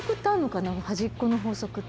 「端っこの法則って」